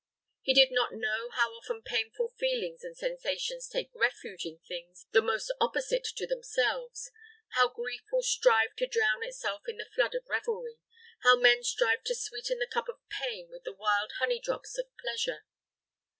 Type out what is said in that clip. He did not know how often painful feelings and sensations take refuge in things the most opposite to themselves how grief will strive to drown itself in the flood of revelry how men strive to sweeten the cup of pain with the wild honey drops of pleasure.